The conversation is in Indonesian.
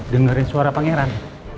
dengarin suara pangeran